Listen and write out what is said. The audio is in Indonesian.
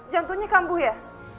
jantungnya kambuh ya